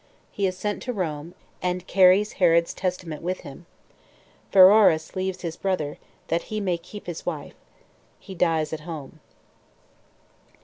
He Is Sent To Rome, And Carries Herod's Testament With Him; Pheroras Leaves His Brother, That He May Keep His Wife. He Dies At Home.